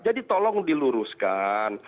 jadi tolong diluruskan